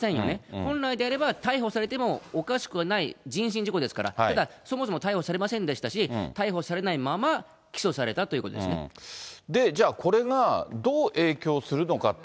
本来であれば、逮捕されてもおかしくはない人身事故ですから、ただ、そもそも逮捕されませんでしたし、逮捕されないまま起訴されじゃあ、これがどう影響するのかと。